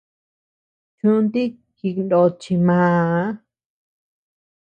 Chúnti jiknót chi màà.